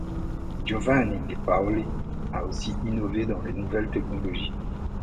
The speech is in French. Giovanni De Paoli a aussi innové dans les nouvelles technologies.